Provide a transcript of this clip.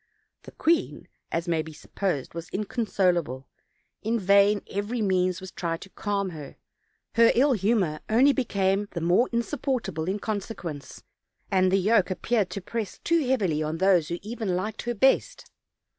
The queen, as may be supposed, was inconsolable; in vain every means was tried to calm her: her ill humor only became the more insupportable in consequence, and the yoke appeared to press too heavily on those even who liked her best.